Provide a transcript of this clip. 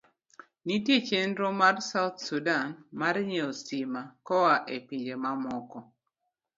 Nitie chenro mar South Sudan mar ng'iewo stima koa e pinje mamoko.